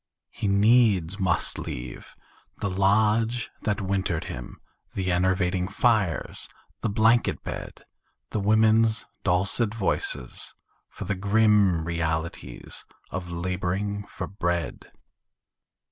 He needs must leave the lodge that wintered him, The enervating fires, the blanket bed The women's dulcet voices, for the grim Realities of labouring for bread.